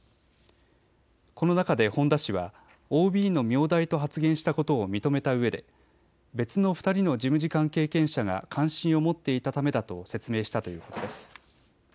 この中で本田氏はＯＢの名代と発言したことを認めたうえで別の２人の事務次官経験者が関心を持っていたためだと説明したということです。